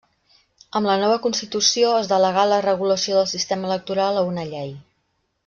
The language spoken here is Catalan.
Amb la nova constitució, es delegà la regulació del sistema electoral a una llei.